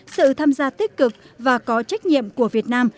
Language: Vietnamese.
sự tham gia tích cực và có trách nhiệm của việt nam